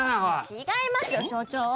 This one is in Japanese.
違いますよ所長。